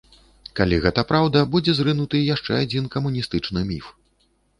Калі гэта праўда, будзе зрынуты яшчэ адзін камуністычны міф.